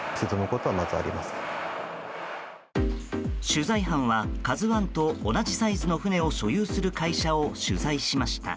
取材班は、「ＫＡＺＵ１」と同じサイズの船を所有する会社を取材しました。